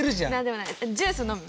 ジュース飲む？